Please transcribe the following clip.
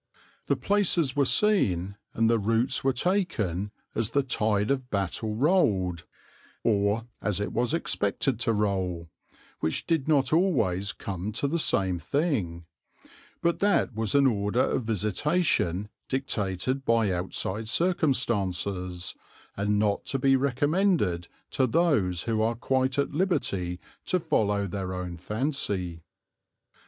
The places were seen and the routes were taken as the tide of battle rolled, or as it was expected to roll, which did not always come to the same thing; but that was an order of visitation dictated by outside circumstances, and not to be recommended to those who are quite at liberty to follow their own fancy.